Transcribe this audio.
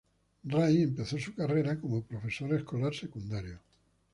Rai empezó su carrera como profesor escolar secundario.